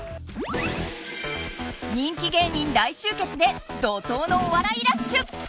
人気芸人大集結で怒涛のお笑いラッシュ。